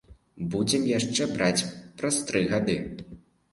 Будзем яшчэ браць праз тры гады.